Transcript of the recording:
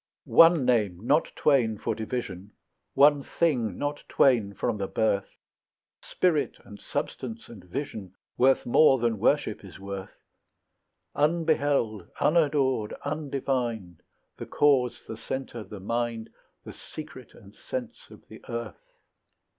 One name, not twain for division; One thing, not twain, from the birth; Spirit and substance and vision, Worth more than worship is worth; Unbeheld, unadored, undivined, The cause, the centre, the mind, The secret and sense of the earth.